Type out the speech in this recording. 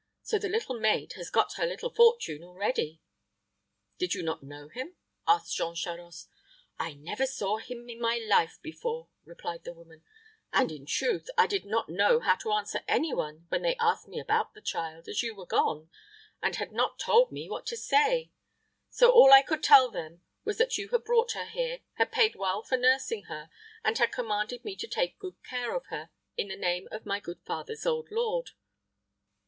So the little maid has got her little fortune already." "Did you not know him?" asked Jean Charost. "I never saw him in my life before," replied the woman; "and, in truth, I did not know how to answer any one when they asked me about the child, as you were gone, and had not told me what to say; so all I could tell them was that you had brought her here, had paid well for nursing her, and had commanded me to take good care of her in the name of my good father's old lord."